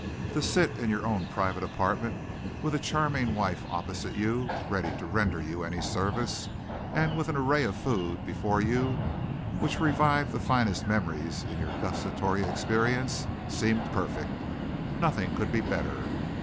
To sit in your own private apartment with a charming wife opposite you ready to render you any service, and with an array of food before you which revived the finest memories in your gustatory experience, seemed perfect. Nothing could be better.